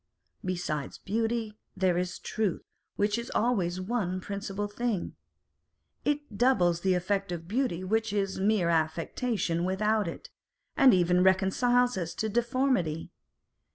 Besides beauty, there is truth, which is always one principal thing. It doubles the effect of beauty, which is mere affectation without it, and even reconciles us to deformity.